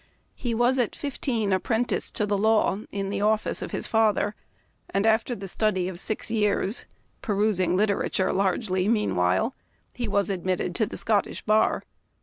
He was at fifteen apprenticed to the law in the office of his father, and, after the study of six years — perusing literature largely meanwhile — he was admitted to the Scottish Bar.